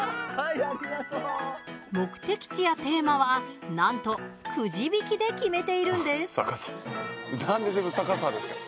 目的地やテーマは、なんとくじ引きで決めているんです。